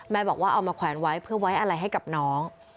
บอกว่าเอามาแขวนไว้เพื่อไว้อะไรให้กับน้อง